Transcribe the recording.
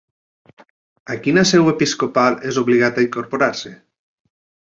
A quina seu episcopal és obligat a incorporar-se?